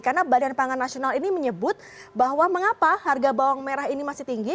karena badan pangan nasional ini menyebut bahwa mengapa harga bawang merah ini masih tinggi